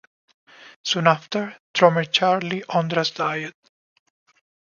Soon after, drummer Charlie Ondras died.